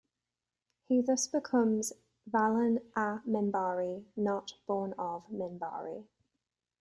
He thus becomes Valen, 'a Minbari not born of Minbari.